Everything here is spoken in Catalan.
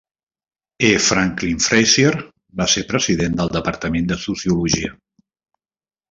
E. Franklin Frazier va ser president del departament de Sociologia.